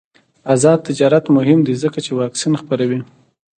آزاد تجارت مهم دی ځکه چې واکسین خپروي.